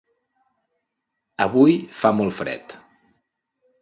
Avui fa molt fred.